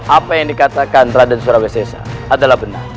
apa yang dikatakan raden surabaya sesa adalah benar